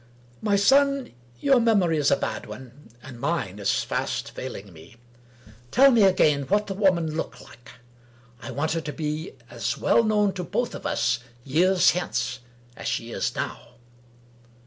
" My son ! your memory is a bad one, and mine is fast failing me. Tell me again what the Woman looked like. I want her to be as well known to both of us, years hence, as she is now."